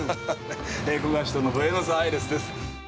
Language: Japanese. ここが首都のブエノスアイレスです。